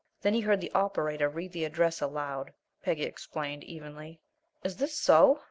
Then he heard the operator read the address aloud," Peggy explained, evenly. "Is this so?"